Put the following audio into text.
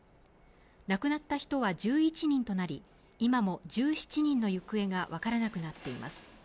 亡くなった人は１１人となり、今も１７人の行方がわからなくなっています。